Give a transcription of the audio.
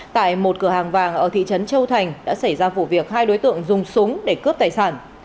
tại một cửa hàng vàng ở thị trấn châu thành đã xảy ra vụ việc hai đối tượng dùng súng để cướp tài sản